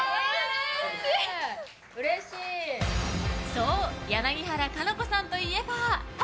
そう、柳原可奈子さんといえば。